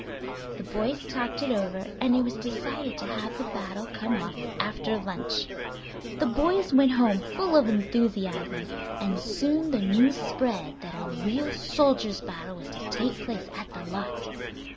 The boys talked it over, and it was decided to have the battle come off after lunch. The boys went home full of enthusiasm, and soon the news spread that a real soldiers' battle was to take place at the lot.